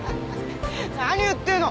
何言ってんの。